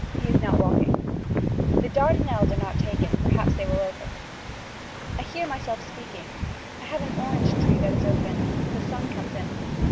He is not walking. If the Dardenelles are not taken perhaps they will open. I hear myself speaking. I have an orange tree that is open. The sun comes in.